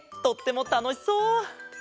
とってもたのしそう！